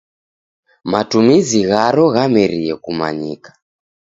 Matumizi gharo ghamerie kumanyika.